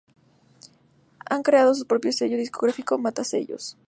Han creado su propio sello discográfico: Matasellos.